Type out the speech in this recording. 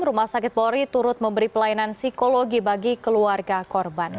rumah sakit polri turut memberi pelayanan psikologi bagi keluarga korban